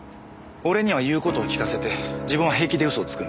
俺には言う事を聞かせて自分は平気で嘘をつくんだ？